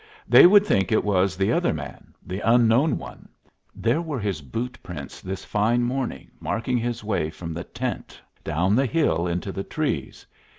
They would think it was the other man the unknown one. There were his boot prints this fine morning, marking his way from the tent down the hill into the trees.